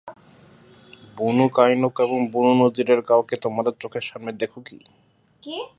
বনু Qaynuqa এবং Banu নযীরের কাউকে তোমাদের চোখের সামনে দেখ কি?